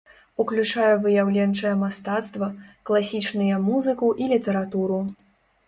Уключае выяўленчае мастацтва, класічныя музыку і літаратуру.